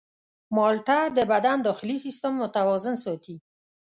مالټه د بدن داخلي سیستم متوازن ساتي.